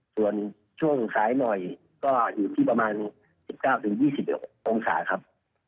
ส่วนช่วงสายหน่อยก็อยู่ที่ประมาณ๑๙๒๖องศาครับ